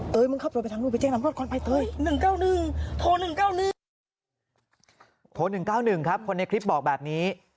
โทร๑๙๑ครับคนในคลิปบอกแบบนี้